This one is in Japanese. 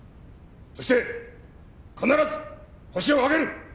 そして必ずホシを挙げる！